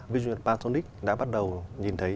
vision patronix đã bắt đầu nhìn thấy